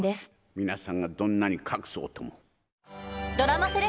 皆さんがどんなに隠そうとも。